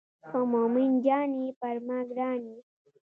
که مومن جان یې پر ما ګران یې.